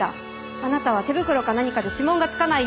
あなたは手袋か何かで指紋が付かないようにして鉄の棒で。